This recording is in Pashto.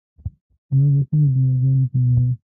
ما به کله دعاګانې کولې.